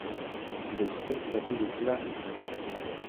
Ses habitants sont appelés les Clarysiens.